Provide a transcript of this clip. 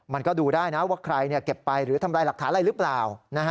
มันก็ดูได้นะว่าใครเก็บไปหรือทำลายหลักฐานอะไรหรือเปล่า